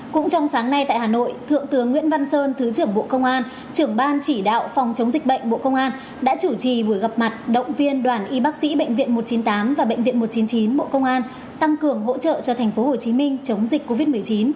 cũng trong sáng nay tại hà nội thượng tướng nguyễn văn sơn thứ trưởng bộ công an trưởng ban chỉ đạo phòng chống dịch bệnh bộ công an đã chủ trì buổi gặp mặt động viên đoàn y bác sĩ bệnh viện một trăm chín mươi tám và bệnh viện một trăm chín mươi chín bộ công an tăng cường hỗ trợ cho tp hcm chống dịch covid một mươi chín